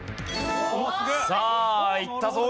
さあいったぞ！